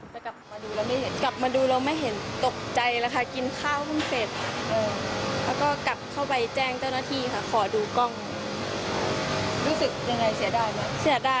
เพราะว่ามันเต็มใบเอาเข้าไปด้วยทุกครั้งค่ะ